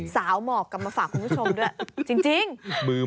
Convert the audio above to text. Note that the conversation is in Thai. หมอกกลับมาฝากคุณผู้ชมด้วยจริง